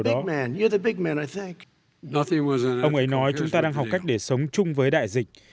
ông ấy nói chúng ta đang học cách để sống chung với đại dịch